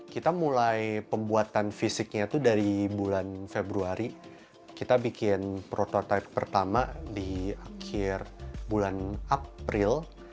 kita mulai pembuatan fisiknya itu dari bulan februari kita bikin prototipe pertama di akhir bulan april